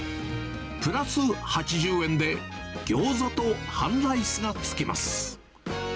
プラス８０円で、ぎょうざと半ライスが付きます。